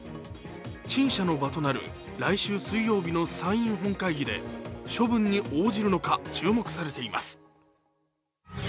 陳謝の場となる来週水曜日の参院本会議で処分に応じるのか注目されています。